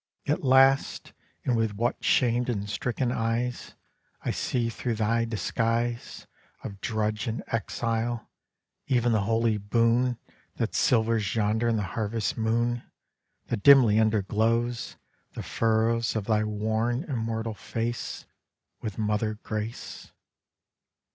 At last, and with what shamed and stricken eyes, I see through thy disguise Of drudge and Exile, even the holy boon That silvers yonder in the Harvest moon; That dimly under glows The furrows of thy worn immortal face, With mother grace.